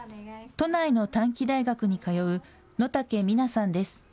都内の短期大学に通う野武美娜さんです。